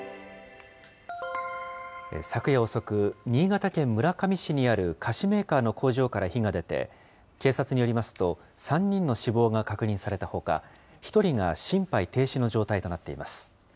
昨夜遅く、新潟県村上市にある菓子メーカーの工場から火が出て、警察によりますと、３人の死亡が確認されたほか、１人が心肺停止の状態となっています。